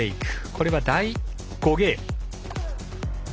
これは第５ゲーム。